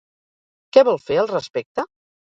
Què vol fer al respecte?